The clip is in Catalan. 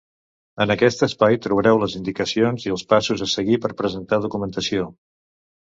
En aquest espai trobareu les indicacions i els passos a seguir per presentar documentació.